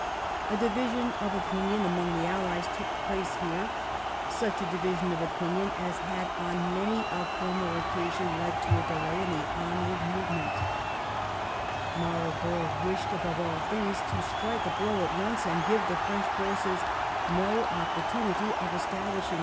A division of opinion among the Allies took place here — such a division of opinion as had on many a former occasion led to a delay in the onward movement. Marlborough wished above all things to strike a blow at once and give the French forces no opportunity of establishing 26 THE EEIGN OF QUEEN ANNE. oh. xxn.